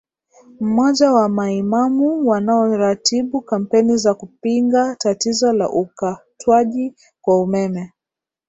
mmoja wa maimamu wanaoratibu kampeni za kupinga tatizo la ukatwaji kwa umeme